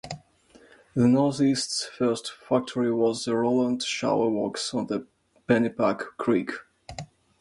The Northeast's first factory was the Rowland Shovel Works on the Pennypack Creek.